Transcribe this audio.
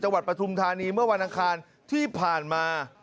จังหวัดปทุมธานีเมื่อวันอังคารที่ผ่านมา